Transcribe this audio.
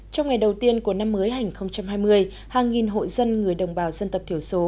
trong ngày đầu tiên của năm mới hành hai mươi hàng nghìn hội dân người đồng bào dân tộc thiểu số